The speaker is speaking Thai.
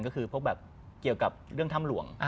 ก็คือพวกแบบเกี่ยวกับเรื่องถ้ำหลวง